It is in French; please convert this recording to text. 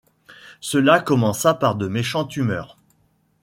Cela commença par de méchantes humeurs.